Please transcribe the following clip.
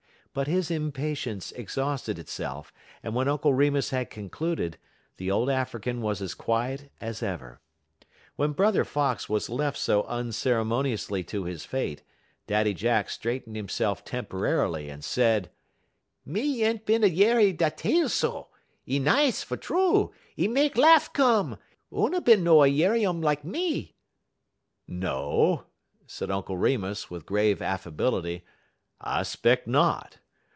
But his impatience exhausted itself, and when Uncle Remus had concluded, the old African was as quiet as ever. When Brother Fox was left so unceremoniously to his fate, Daddy Jack straightened himself temporarily and said: "Me yent bin a yerry da tale so. 'E nice, fer true, 'e mek larf come; oona no bin a yerry um lak me." "No," said Uncle Remus, with grave affability, "I 'speck not.